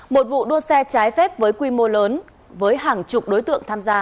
một vụ đua xe trái phép với quy mô lớn với hàng chục đối tượng tham gia